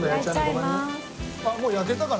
あっもう焼けたかな？